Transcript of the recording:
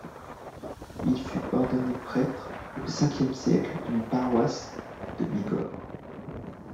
Il fut ordonné prêtre au Ve siècle d'une paroisse de Bigorre.